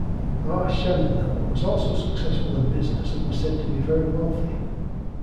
R. Chananel was also successful in business and was said to be very wealthy.